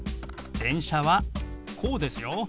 「電車」はこうですよ。